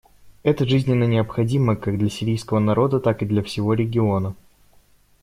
Это жизненно необходимо как для сирийского народа, так и для всего региона.